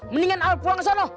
mendingan al pulang ke sana